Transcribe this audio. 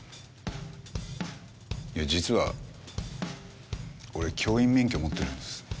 いや実は俺教員免許持ってるんです。